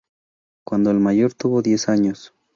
Cuando el mayor tuvo diez años, Mme.